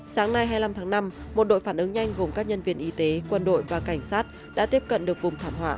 sáng nay hai mươi năm tháng năm một đội phản ứng nhanh gồm các nhân viên y tế quân đội và cảnh sát đã tiếp cận được vùng thảm họa